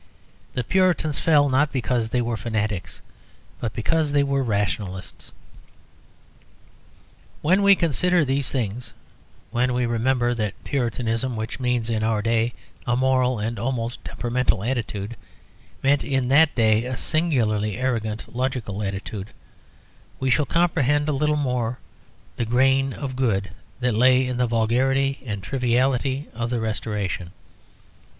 The Puritans fell, not because they were fanatics, but because they were rationalists. When we consider these things, when we remember that Puritanism, which means in our day a moral and almost temperamental attitude, meant in that day a singularly arrogant logical attitude, we shall comprehend a little more the grain of good that lay in the vulgarity and triviality of the Restoration.